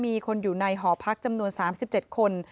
มีคนอยู่ในหอพักจำนวน๓๗คน